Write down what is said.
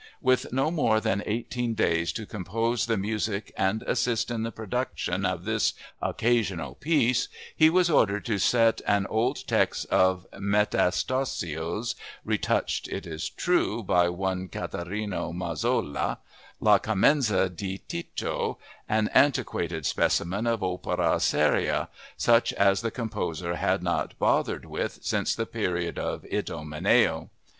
With no more than eighteen days to compose the music and assist in the production of this "occasional piece," he was ordered to set an old text of Metastasio's (retouched, it is true, by one Caterino Mazzolà)—La Clemenza di Tito, an antiquated specimen of opera seria, such as the composer had not bothered with since the period of Idomeneo.